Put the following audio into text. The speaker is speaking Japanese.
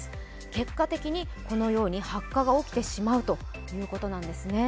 結果的にこのように発火が起きてしまうということなんですね。